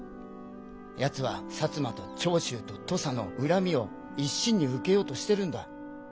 奴は摩と長州と土佐の恨みを一身に受けようとしてるんだ。